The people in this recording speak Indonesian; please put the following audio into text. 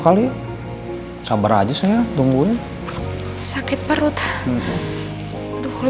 kayaknya participating kita juga mohon ya